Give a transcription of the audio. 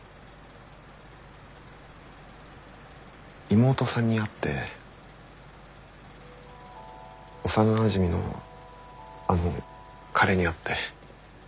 妹さんに会って幼なじみのあの彼に会って。